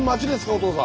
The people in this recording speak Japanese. お父さん。